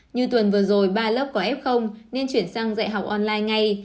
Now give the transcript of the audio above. như tuần vừa rồi ba lớp có f nên chuyển sang dạy học online ngay